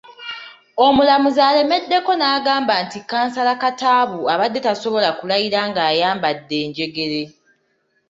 Omulamuzi alemeddeko n’agamba nti kkansala Kataabu abadde tasobola kulayira ng’ayambadde enjegere.